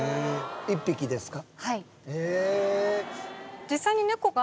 １匹ですか？